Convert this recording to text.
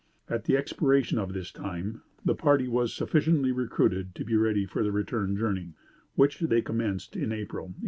At the expiration of this time, the party was sufficiently recruited to be ready for their return journey, which they commenced in April, 1844.